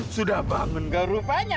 sudah bangun kau rupanya